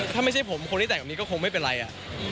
ถ้าไม่ใช่ผมคนที่แต่งแบบนี้ก็คงไม่เป็นไรอ่ะ